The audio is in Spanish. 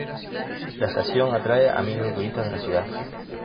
La estación atrae a miles de turistas de la ciudad.